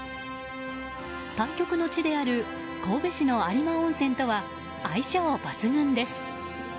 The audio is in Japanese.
対局の地である、神戸市の有馬温泉とは相性抜群です。